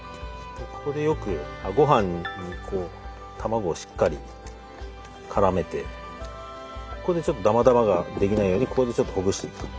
ここでよくごはんに卵をしっかり絡めてちょっとだまだまが出来ないようにここでちょっとほぐしていくと。